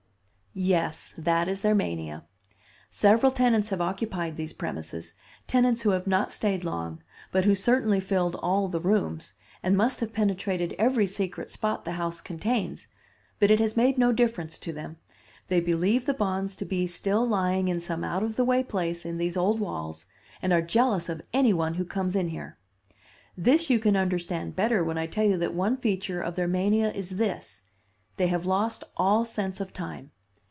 "Yes, that is their mania. Several tenants have occupied these premises tenants who have not stayed long, but who certainly filled all the rooms, and must have penetrated every secret spot the house contains, but it has made no difference to them. They believe the bonds to be still lying in some out of the way place in these old walls, and are jealous of any one who comes in here. This you can understand better when I tell you that one feature of their mania is this: they have lost all sense of time.